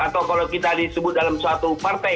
atau kalau kita disebut dalam suatu partai